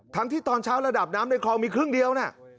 ที่ตอนเช้าระดับน้ำในคลองมีครึ่งเดียวน่ะ